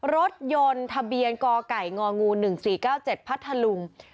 รถยนต์ทะเบียนกไก่ง๑๔๙๗พัทธลุง